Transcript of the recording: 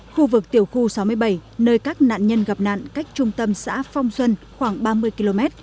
khu vực tiểu khu sáu mươi bảy nơi các nạn nhân gặp nạn cách trung tâm xã phong xuân khoảng ba mươi km